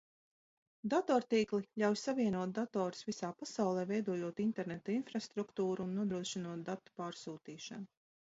Datortīkli ļauj savienot datorus visā pasaulē, veidojot interneta infrastruktūru un nodrošinot datu pārsūtīšanu.